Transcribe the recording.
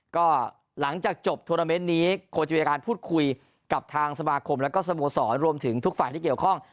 ก็หลังจากจบโทรเมนต์นี้คงจะมีการพูดคุยกับทางสมาคมและก็สโมสรรวมถึงทุกฝ่ายที่เกี่ยวข้อง